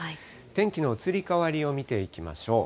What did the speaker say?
天気の移り変わりを見ていきましょう。